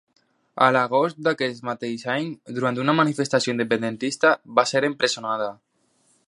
A l'agost d'aquest mateix any, durant una manifestació independentista, va ser empresonada.